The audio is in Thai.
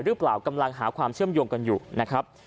หรือเปล่ากำลังหาความเชื่อมโยงกันอยู่นะครับ